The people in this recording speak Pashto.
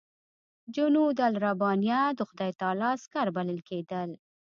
جنودالربانیه د خدای تعالی عسکر بلل کېدل.